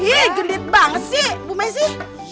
ih jelit banget sih ibu messi